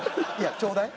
ちょうだい？